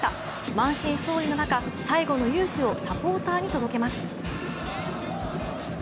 満身創痍の中、最後の雄姿をサポーターに届けます。